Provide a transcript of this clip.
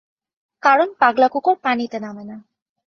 কারণ, পাগলা কুকুর পানিতে নামে না।